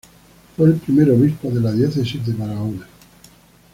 Fue el primer obispo de la diócesis de Barahona.